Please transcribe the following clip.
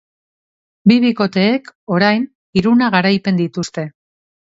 Bi bikoteek orain hiruna garaipen dituzte.